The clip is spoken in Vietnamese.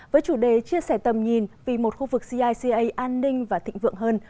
với chủ đề chia sẻ tầm nhìn vì một khu vực cica an ninh và thịnh vượng hơn